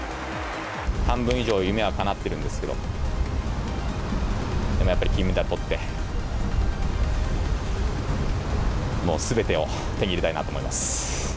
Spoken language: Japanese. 半分以上夢はかなってるんですけど、でもやっぱり金メダルとって、もうすべてを手に入れたいなと思います。